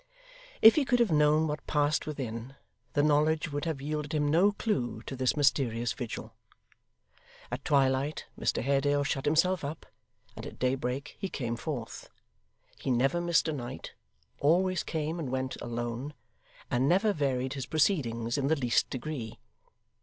If he could have known what passed within, the knowledge would have yielded him no clue to this mysterious vigil. At twilight, Mr Haredale shut himself up, and at daybreak he came forth. He never missed a night, always came and went alone, and never varied his proceedings in the least degree.